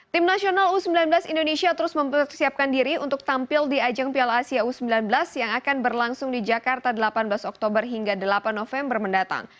tim nasional u sembilan belas indonesia terus mempersiapkan diri untuk tampil di ajang piala asia u sembilan belas yang akan berlangsung di jakarta delapan belas oktober hingga delapan november mendatang